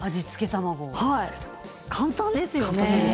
簡単ですよね。